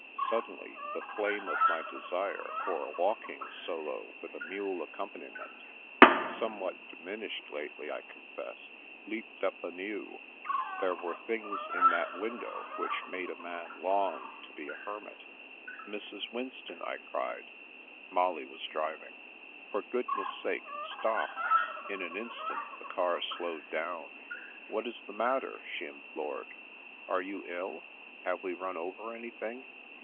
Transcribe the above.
Suddenly the flame of my desire for the walking solo with a mule accompaniment (somewhat diminished lately, I confess) leaped up anew. There were things in 50 The Princess Passes that window which made a man long to be a hermit. "Mrs. Winston," I cried (Molly was driving), " for goodness* sake stop." In an instant the car slowed down. " What is the matter ?" she implored. " Are you ill ? Have we run over anything?